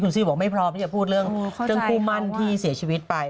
ซี่บอกไม่พร้อมที่จะพูดเรื่องคู่มั่นที่เสียชีวิตไป